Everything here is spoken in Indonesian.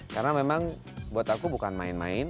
karena memang buat aku bukan main main